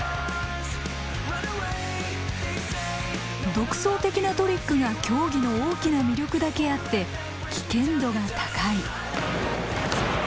独創的なトリックが競技の大きな魅力だけあって危険度が高い。